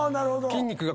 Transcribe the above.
筋肉が。